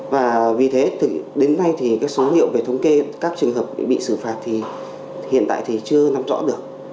và vì thế đến nay số hiệu về thống kê các trường hợp bị xử phạt hiện tại chưa nắm rõ được